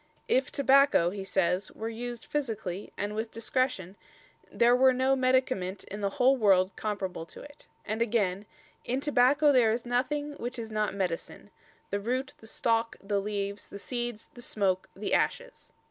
"If Tabacco," he says, "were used physically and with discretion there were no medicament in the worlde comparable to it"; and again: "In Tabacco there is nothing which is not medicine, the root, the stalke, the leaves, the seeds, the smoake, the ashes."